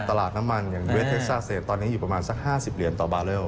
ตลาดน้ำมันอย่างเวทเท็กซ่าเศษตอนนี้อยู่ประมาณสัก๕๐เหรียญต่อบาร์เรล